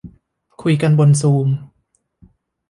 คุยกันบนซูม